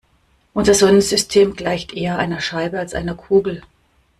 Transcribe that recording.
Unser Sonnensystem gleicht eher einer Scheibe als einer Kugel.